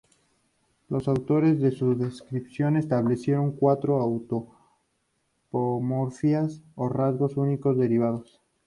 Los autores de su descripción establecieron cuatro autapomorfias, o rasgos únicos derivados.